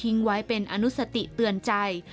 แถวมาเป็นอนุสัตติเป็นสิ่งเตือนใจ